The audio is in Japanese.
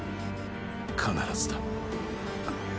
必ずだ。